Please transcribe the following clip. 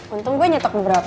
untung gue nyetok beberapa